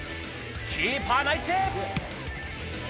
キーパーナイスセーブ！